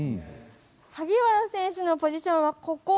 萩原選手のポジションはここ。